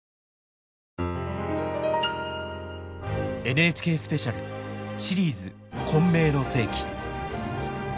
ＮＨＫスペシャルシリーズ「混迷の世紀」。